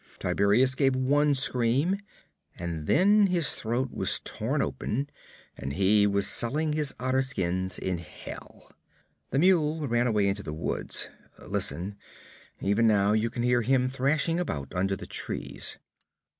'Tiberias gave one scream, and then his throat was torn open and he was selling his otter skins in Hell. The mule ran away into the woods. Listen! Even now you can hear him thrashing about under the trees.